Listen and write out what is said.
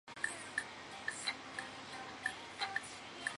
卒年七十一岁。